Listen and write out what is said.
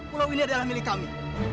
pulau ini adalah milik kami